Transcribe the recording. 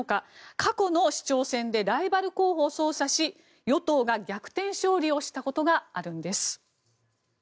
過去の市長選でライバル候補を捜査し与党が逆転勝利をしたことがあるんです。